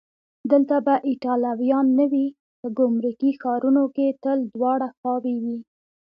دلته به ایټالویان نه وي؟ په ګمرکي ښارونو کې تل دواړه خواوې وي.